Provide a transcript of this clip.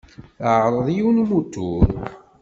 Teɛreḍ yiwen n umutur.